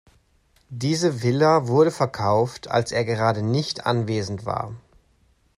Diese Villa wurde verkauft, als er gerade nicht anwesend war.